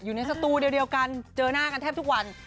สตูเดียวกันเจอหน้ากันแทบทุกวัน